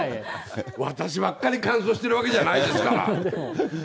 私ばっかり乾燥してるわけじゃないですから。